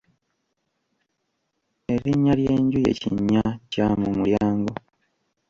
Erinnya ly'enju ye Kinnyakyamumulyango.